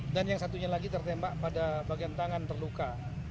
dan yang satunya lagi tertembak pada bagian tangan terluka